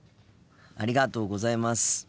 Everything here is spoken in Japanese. ありがとうございます。